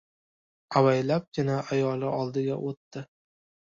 Avaylabgina ayoli oldiga o‘tdi.